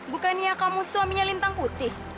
bukannya kamu suaminya lintang putih